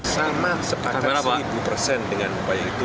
sama sepakat seribu persen dengan upaya itu